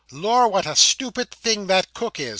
'Lor, what a stupid thing that cook is!